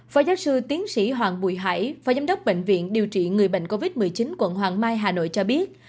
phó giáo sư tiến sĩ hoàng bùi hải phó giám đốc bệnh viện điều trị người bệnh covid một mươi chín quận hoàng mai hà nội cho biết